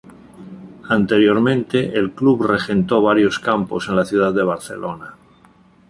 Anteriormente, el club regentó varios campos en la ciudad de Barcelona.